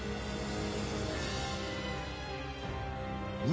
「何？